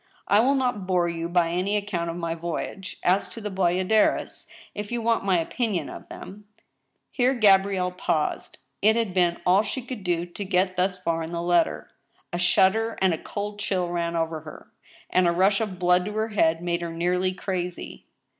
" I will not bore you by any account of my voyage. As to the bayadh es, if you want my opinion of them —" Here Gabrielle paused. It had been all she could do to get thus far in the letter. A shudder and a cold chill ran over her, and a rush of blood to her head made her nearly crazy.